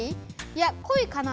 いやこいかな。